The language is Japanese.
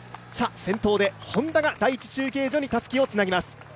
先頭でＨｏｎｄａが第一中継所にたすきをつなぎます。